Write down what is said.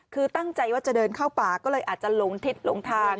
คือตั้งใจว่าจะเดินเข้าป่าก็เลยอาจจะหลงทิศหลงทาง